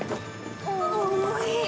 重い。